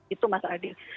itu mas aldi